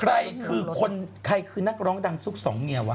ใครคือคนใครคือนักร้องดังซุกสองเมียวะ